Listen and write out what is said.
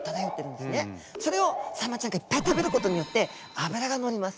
それをサンマちゃんがいっぱい食べることによってあぶらがのります。